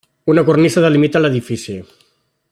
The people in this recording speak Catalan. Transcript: Una cornisa delimita l'edifici.